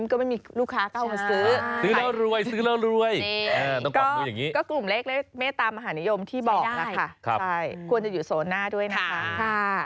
ควรจะอยู่โสนหน้าด้วยนะคะ